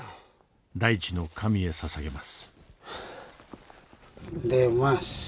大地の神へささげます。